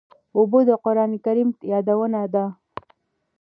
اوبه د قرآن کریم یادونه ده.